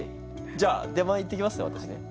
じゃあ出前行ってきますねわたしね。